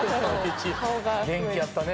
元気やったね。